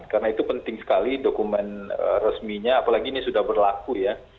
karena itu penting sekali dokumen resminya apalagi ini sudah berlaku ya